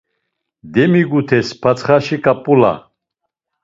Demigut̆es patsxaşi ǩap̌ulas.